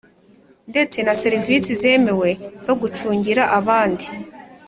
ndetse na Serivisi zemewe zo gucungira abandi